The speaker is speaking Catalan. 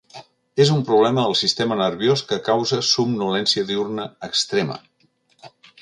És un problema del sistema nerviós que causa somnolència diürna extrema.